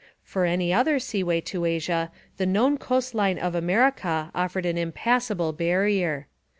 For any other sea way to Asia the known coast line of America offered an impassable barrier.